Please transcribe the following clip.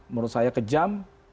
menurut saya kejam